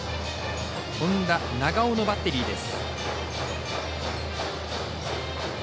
本田、長尾のバッテリーです。